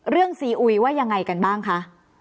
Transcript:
ซีอุยว่ายังไงกันบ้างคะ